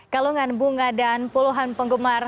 kalungan bunga dan puluhan penggemar